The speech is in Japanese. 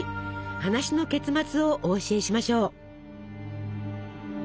話の結末をお教えしましょう。